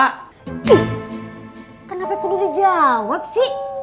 kenapa aku tidak dijawab sih